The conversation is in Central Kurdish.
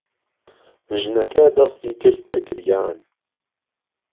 ژنهکه دهستی کرد به گریان